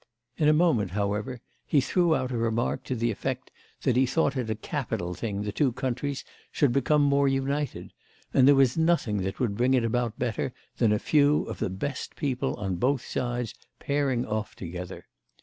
In a moment, however, he threw out a remark to the effect that he thought it a capital thing the two countries should become more united, and there was nothing that would bring it about better than a few of the best people on both sides pairing off together.